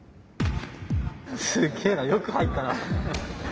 すげえなよく入ったな。